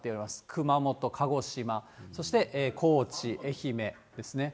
熊本、鹿児島、そして高知、愛媛ですね。